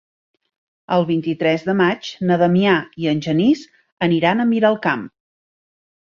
El vint-i-tres de maig na Damià i en Genís aniran a Miralcamp.